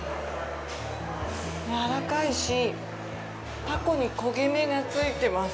やわらかいし、タコに焦げ目がついてます。